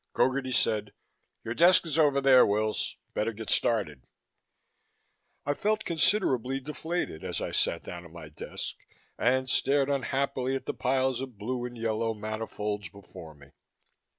Gogarty said, "Your desk is over there, Wills. Better get started." I felt considerably deflated as I sat down at my desk and stared unhappily at the piles of blue and yellow manifolds before me.